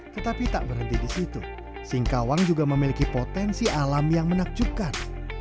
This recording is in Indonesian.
tetapi tak berhenti di situ singkawang juga memiliki potensi alam yang menakjubkan